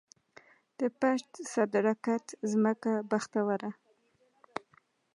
د پشد، صدرګټ ځمکه بختوره